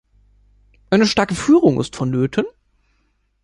Eine starke Führung ist vonnöten.